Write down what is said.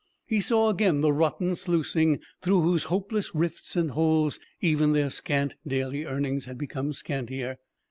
He saw again the rotten "sluicing," through whose hopeless rifts and holes even their scant daily earnings had become scantier.